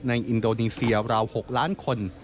อินโดนีเซียราว๖ล้านคน